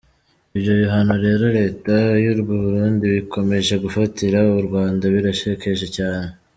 Ibyo bihano rero leta y’u Burundi ikomeje gufatira u Rwanda birashekeje cyane.